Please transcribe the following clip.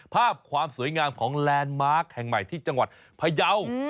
ภาพความสวยงามของแลนด์มาร์คแห่งใหม่ที่จังหวัดพยาว